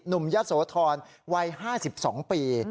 หนุ่มยัดโสธรวัย๕๒ปี